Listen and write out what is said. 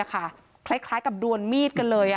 คล้ายกับดวนมีดกันเลย